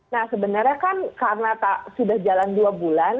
nah sebenarnya kan karena sudah jalan dua bulan